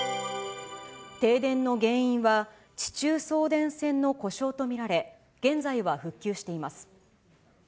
停電の原因は、地中送電線の故障と見られ、現在は復旧しています。